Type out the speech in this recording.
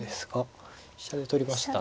飛車で取りましたね。